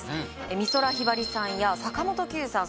美空ひばりさんや坂本九さん